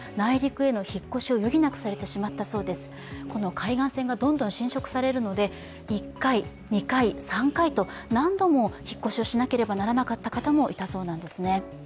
海岸線がどんどん浸食されるので、１回、２回、３回と何度も引っ越しをしなければいけなくなった方もいらっしゃったそうなんですね。